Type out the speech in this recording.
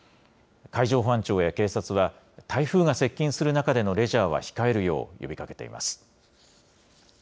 海上保安庁や警察は、台風が接近する中でのレジャーは控えるよう呼びかけています。